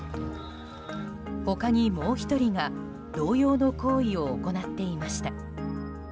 他に、もう１人が同様の行為を行っていました。